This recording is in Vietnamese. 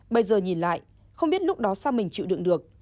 bây giờ nhìn lại không biết lúc đó sao mình chịu đựng được